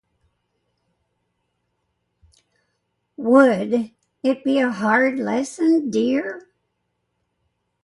Would it be a very hard lesson, dear?